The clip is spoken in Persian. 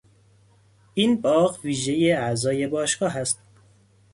این باغ ویژهی اعضای باشگاه است.